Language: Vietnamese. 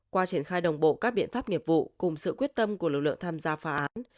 qua triển khai đồng bộ các biện pháp nghiệp vụ cùng sự quyết tâm của lực lượng tham gia phá án